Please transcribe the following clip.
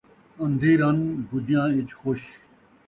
اندھی رن، بُجیاں ءِچ خوش